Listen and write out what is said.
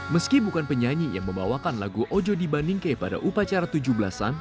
meski bukan penyanyi yang membawakan lagu ojo di bandingke pada upacara tujuh belas an